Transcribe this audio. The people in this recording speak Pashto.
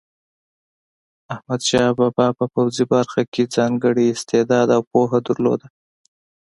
احمدشاه بابا په پوځي برخه کې ځانګړی استعداد او پوهه درلوده.